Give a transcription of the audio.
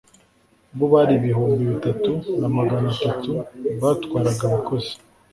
bo bari ibihumbi bitatu na magana atatu batwaraga abakozi